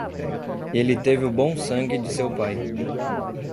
Ele teve o bom sangue de seu pai.